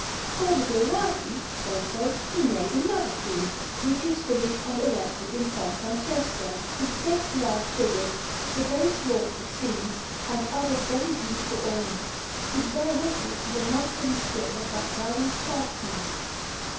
For the Biraghi, also, he made another tomb, which is finished and erected in S. Francesco, with six large figures, the base wrought with scenes, and other very beautiful ornaments, which bear witness to the masterly skill of that valiant craftsman.